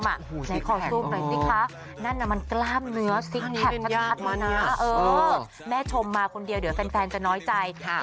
ไหนขอซูมหน่อยสิคะนั่นน่ะมันกล้ามเนื้อซิกแพคชัดมานะแม่ชมมาคนเดียวเดี๋ยวแฟนจะน้อยใจ